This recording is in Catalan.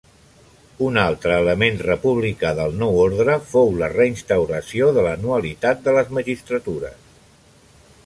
Un altre element republicà del nou ordre fou la reinstauració de l'anualitat de les magistratures.